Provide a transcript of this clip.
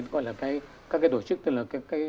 các tổ chức tên là